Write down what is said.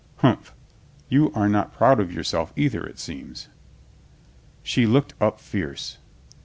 "Humph. You are not proud of yourself, either, it seems." She looked up fierce.